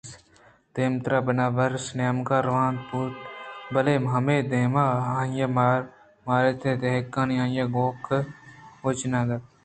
دیمتر ءَ بناربس ءِ نیمگءَ ءَ روان بوت بلئے ہمے دمان ءَ آئی ءَ ماراِت کہ دہکانے آئی ءِ گوک ءَبوچِنان اِنت